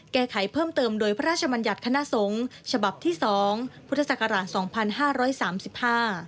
แก้ไขเพิ่มเติมโดยพระราชมัญญัติคณะสงฆ์ฉบับที่๒พุทธศักราช๒๕๓๕